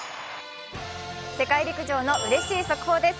世界陸上のうれしい速報です。